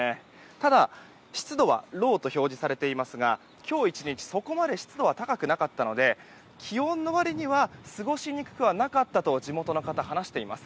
ただ、湿度はローと表示されていますが今日１日、そこまで湿度は高くなかったので気温の割には過ごしにくくはなかったと地元の方は話しています。